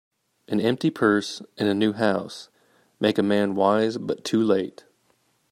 An empty purse, and a new house, make a man wise, but too late